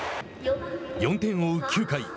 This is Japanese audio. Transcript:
４点を追う９回